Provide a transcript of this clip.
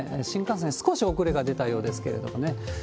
新幹線、少し遅れが出たようですけれどもね。